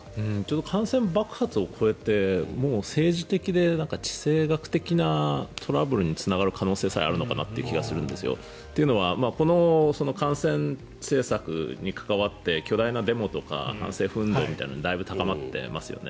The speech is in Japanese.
感染爆発を超えて、もう政治的で地政学的なトラブルにつながる可能性さえあるのかなという気がするんですよ。というのはこの感染政策に関わって巨大なデモとか反政府運動みたいなのがだいぶ高まってますよね。